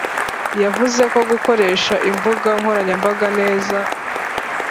yavuze ko gukoresha imbuga nkoranyambaga neza